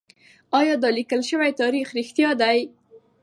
ايا دا ليکل شوی تاريخ رښتيا دی؟